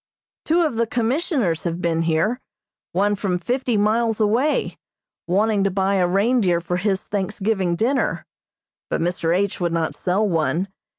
Two of the Commissioners have been here, one from fifty miles away, wanting to buy a reindeer for his Thanksgiving dinner, but Mr. H. would not sell one.